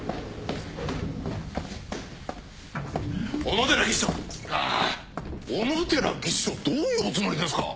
小野寺技師長どういうおつもりですか？